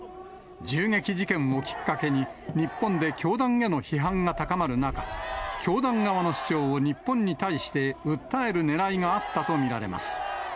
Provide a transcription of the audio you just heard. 銃撃事件をきっかけに、日本で教団への批判が高まる中、教団側の主張を日本に対して訴えるねらいがあったと見られます。